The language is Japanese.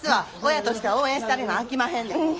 親としては応援してあげなあきまへんねん。